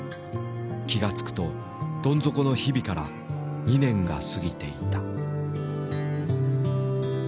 気が付くとどん底の日々から２年が過ぎていた。